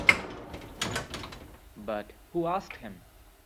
But who asked him?